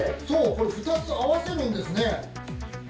これ２つ合わせるんですね。